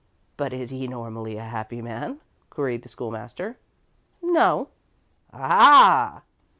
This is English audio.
"But is he normally a happy man?" queried the School master. "No." "Ah!"